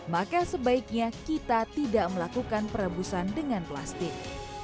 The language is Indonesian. maka sebaiknya kita tidak melakukan perebusan dengan plastik